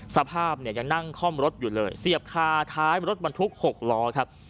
สภาพเนี่ยยังนั่งคล่อมรถอยู่เลยเสียบคาท้ายรถบรรทุก๖ล้อครับ